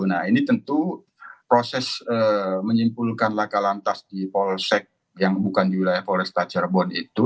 nah ini tentu proses menyimpulkan laka lantas di polsek yang bukan di wilayah polresta cirebon itu